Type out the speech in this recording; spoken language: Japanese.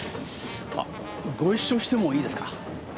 あっご一緒してもいいですか？